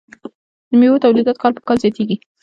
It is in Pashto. د میوو تولیدات کال په کال زیاتیږي.